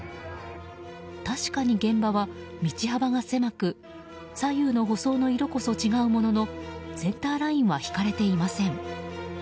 確かに現場は、道幅が狭く左右の舗装の色こそ違うもののセンターラインは引かれていません。